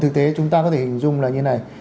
thực tế chúng ta có thể hình dung là như này